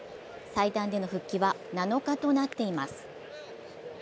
最短での復帰は７日となっております。